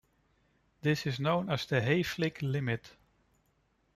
This is known as the Hayflick limit.